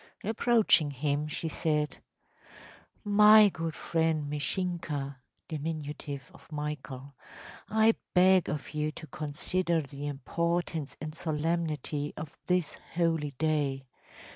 Approaching him, she said: “My good friend, Mishinka [diminutive of Michael], I beg of you to consider the importance and solemnity of this holy day.